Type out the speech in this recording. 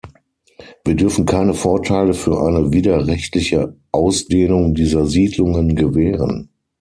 Wir dürfen keine Vorteile für eine widerrechtliche Ausdehnung dieser Siedlungen gewähren.